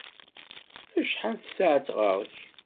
Acḥal tasaɛet ɣer-k?